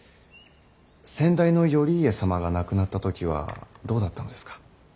先代の頼家様が亡くなった時はどうだったのですか。